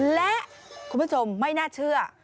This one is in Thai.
และคุณผู้ชมไม่น่าเชื่อ